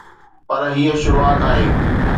پر هي شروعات آهي.